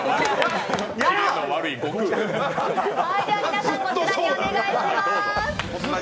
皆さんこちらにお願いします。